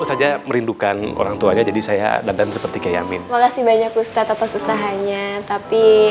saja merindukan orangtuanya jadi saya dandan seperti kayamin makasih banyak ustadz atas usahanya tapi